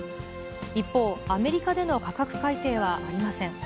一方、アメリカでの価格改定はありません。